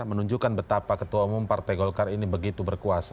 menunjukkan betapa ketua umum partai golkar ini begitu berkuasa